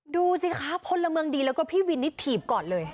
ดูสิคะพลเมืองดีแล้วก็พี่วินนี่ถีบก่อนเลย